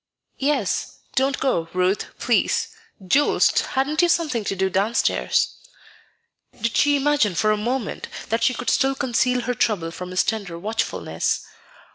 "Yes. Don't go, Ruth, please; Jules, hadn't you something to do downstairs?" Did she imagine for a moment that she could still conceal her trouble from his tender watchfulness?